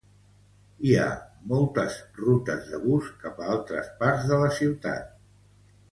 Hi ha moltes rutes de bus cap a altres parts de la ciutat.